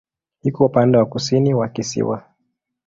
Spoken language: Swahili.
Iko upande wa kusini wa kisiwa.